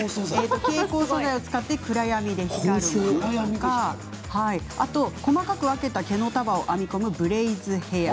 蛍光素材で暗闇で光るものとかあと細かく分けた毛の束を編み込むブレイズヘア。